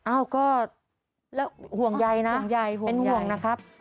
อ้าวก็ห่วงใยนะเป็นห่วงนะครับแล้วก็ห่วงใย